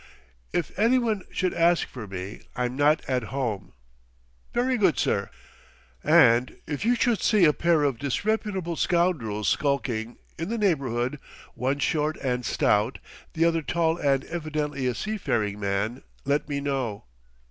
"If any one should ask for me, I'm not at home." "Very good, sir." "And if you should see a pair of disreputable scoundrels skulking, in the neighborhood, one short and stout, the other tall and evidently a seafaring man, let me know."